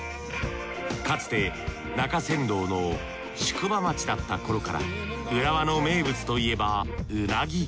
かつて中山道の宿場町だった頃から浦和の名物といえばうなぎ。